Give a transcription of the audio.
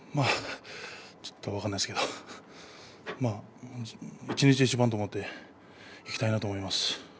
ちょっと分からないですけれども一日一番と思っていきたいなと思っています。